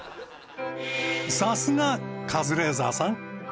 さすがカズレーザーさん。